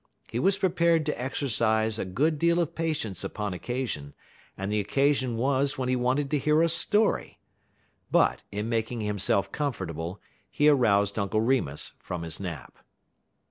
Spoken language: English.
He was prepared to exercise a good deal of patience upon occasion, and the occasion was when he wanted to hear a story. But, in making himself comfortable, he aroused Uncle Remus from his nap.